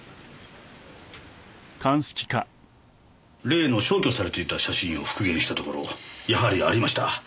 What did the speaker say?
例の消去されていた写真を復元したところやはりありました。